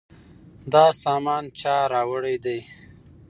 دا سامان چا راوړی دی؟